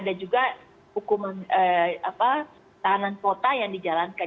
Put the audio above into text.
dan juga ada tahanan kuota yang dijalankan